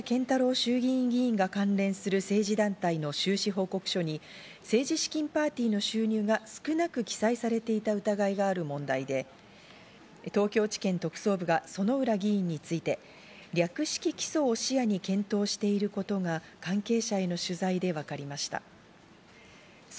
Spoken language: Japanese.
自民党の薗浦健太郎衆議院議員が関連する政治団体の収支報告書に政治資金パーティーの収入が少なく記載されていた疑いがある問題で、東京地検特捜部が薗浦議員について略式起訴を視野に検討をしていることが関係者への取材でわかりました。